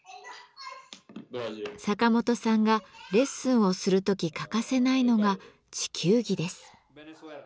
サカモトさんがレッスンをする時欠かせないのが地球儀です。